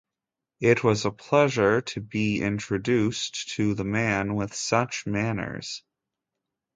It was a pleasure to be introduced to the man with such manners.